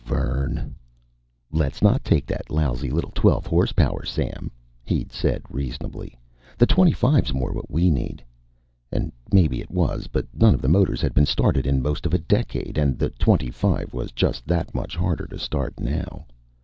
Vern! "Let's not take that lousy little twelve horse power, Sam," he'd said reasonably. "The twenty five's more what we need!" And maybe it was, but none of the motors had been started in most of a decade, and the twenty five was just that much harder to start now.